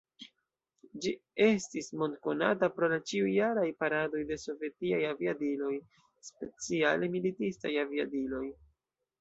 Ĝi estis mondkonata pro la ĉiujaraj paradoj de sovetiaj aviadiloj, speciale militistaj aviadiloj.